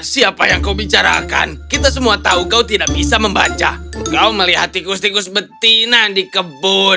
siapa yang kau bicarakan kita semua tahu kau tidak bisa membaca kau melihat tikus tikus betina di kebun